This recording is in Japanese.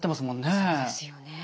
そうですよね。